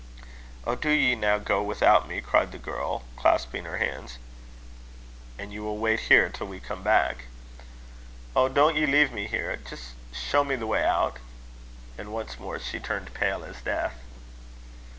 "Oh, do ye now go without me!" cried the girl, clasping her hands. "And you will wait here till we come back?" "Oh! don't ye leave me here. Just show me the way out." And once more she turned pale as death.